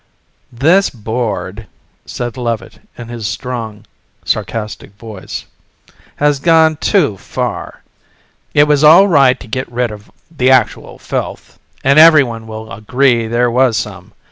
"This board," said Levitt in his strong, sarcastic voice, "has gone too far. It was all right to get rid of the actual filth ... and everyone will agree there was some.